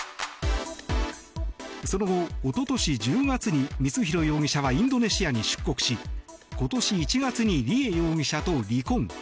その後、おととし１０月に光弘容疑者はインドネシアに出国し今年１月に梨恵容疑者と離婚。